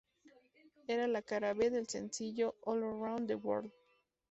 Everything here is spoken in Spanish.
Era la cara B del sencillo "All Around the World".